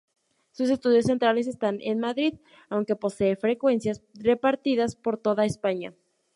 Sus estudios centrales están en Madrid, aunque posee frecuencias repartidas por toda España.